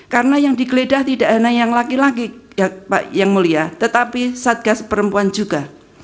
karena yang digeledah tidak hanya yang laki laki yang mulia tetapi satgas perempuan juga